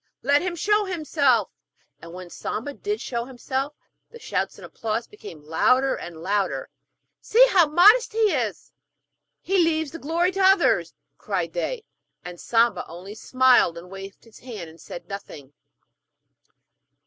Let him show himself!' And when Samba did show himself the shouts and applause became louder than ever. 'See how modest he is! He leaves the glory to others!' cried they. And Samba only smiled and waved his hand, and said nothing.